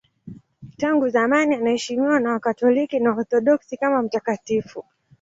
Tangu zamani anaheshimiwa na Wakatoliki na Waorthodoksi kama mtakatifu.